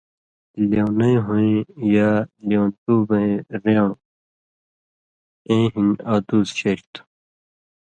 لیونَئ ہُوئیں نہ یا لیونتُوبَیں رین٘ڑوۡ ایں ہِن ادُوس شریۡ تھُو۔